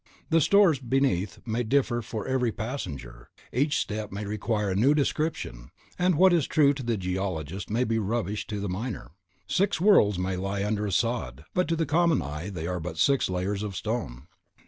The stores beneath may differ for every passenger; each step may require a new description; and what is treasure to the geologist may be rubbish to the miner. Six worlds may lie under a sod, but to the common eye they are but six layers of stone.